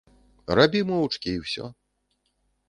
Рабі моўчкі, і ўсё.